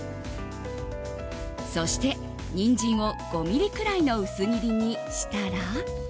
そしてニンジンを５ｍｍくらいの薄切りにしたら。